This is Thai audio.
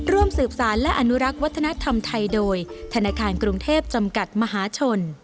ร่วมสืบสารและอนุรักษ์วัฒนธรรมไทยโดยธนาคารกรุงเทพจำกัดมหาชน